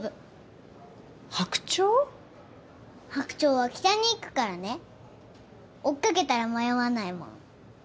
白鳥は北に行くからね追っ掛けたら迷わないもん。